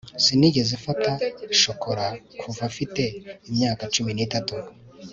sinigeze mfata shokora kuva mfite imyaka cumi n'itatu